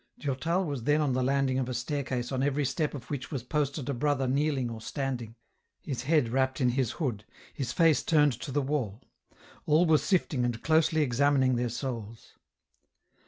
Durtal was then on the landing of a staircase on every step of which was posted a brother kneeling or standing, his head wrapped in his hood, his face turned to the wall. All were sifting and closely examining their souls.